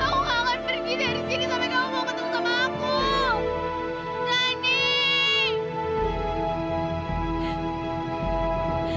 aku akan pergi dari sini sampai kamu mau ketemu sama aku